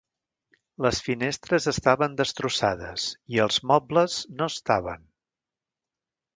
Les finestres estaven destrossades, i els mobles no estaven.